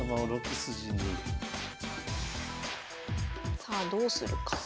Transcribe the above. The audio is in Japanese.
さあどうするか。